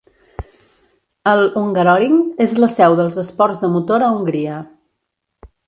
El Hungaroring és la seu dels esports de motor a Hongria.